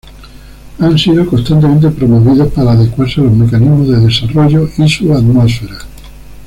Han sido constantemente promovidos para adecuarse a los mecanismos de desarrollo y su atmósfera.